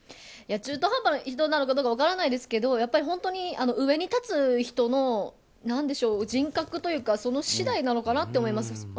中途半端な人なのかどうかは分からないですけど本当に上に立つ人の人格というかそれ次第なのかなと思います。